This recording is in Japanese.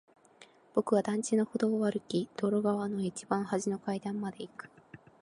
僕は団地の歩道を歩き、道路側の一番端の階段まで行く。